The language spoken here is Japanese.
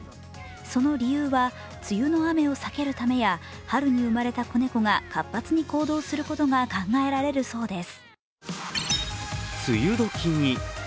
その理由は、梅雨の雨を避けるためや、春に生まれた子猫が活発に行動することが考えられるそうです。